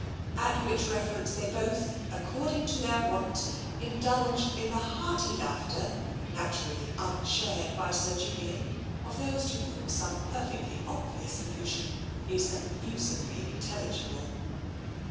At which reference they both, according to their wont, indulged in the hearty laughter, naturally un shared by Sir Julian, of those to whom some perfectly obvious allusion is amusingly intelligible.